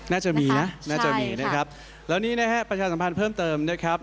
น่าจะมีนะน่าจะมีนะครับแล้วนี้นะฮะประชาสัมพันธ์เพิ่มเติมนะครับ